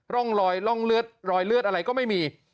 ร่องรอยร่องเลือดรอยเลือดอะไรก็ไม่มี